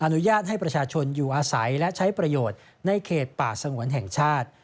อนุญาตให้ประชาชนอยู่อาศัยและใช้ประโยชน์ในเขตป่าสงวนแห่งชาติ